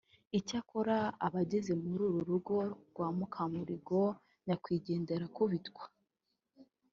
Icyakora abageze muri uru rugo rwa Mukamurigo nyakwigendera akubitwa